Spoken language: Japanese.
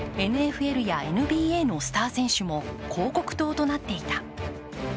ＮＦＬやＮＢＡのスター選手も広告塔となっていた。